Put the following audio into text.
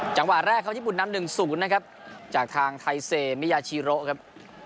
จังหวะแรกเขาญี่ปุ่นนำ๑๐นะครับจากทางไทเซมิยาชีโรครับ